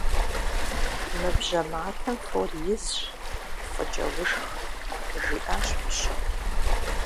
Мы бжьэ матэм фор изщ, фӏыкӏэ ушх, - жиӏащ мыщэм.